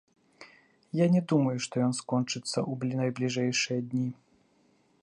Я не думаю, што ён скончыцца ў найбліжэйшыя дні.